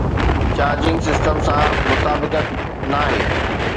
charging system سان مطابقت ناهي